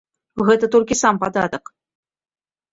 Гэта толькі сам падатак.